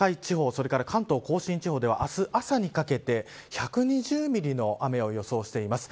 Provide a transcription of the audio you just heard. それから関東甲信地方では明日朝にかけて１２０ミリの雨を予想しています。